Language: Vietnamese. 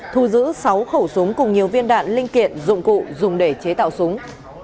thu giữ sáu khẩu súng cùng nhiều viên đạn linh kiện dụng cụ dùng để chế tạo súng